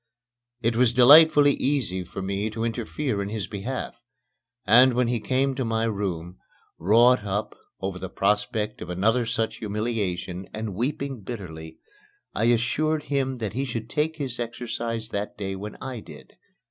It was delightfully easy for me to interfere in his behalf; and when he came to my room, wrought up over the prospect of another such humiliation and weeping bitterly, I assured him that he should take his exercise that day when I did.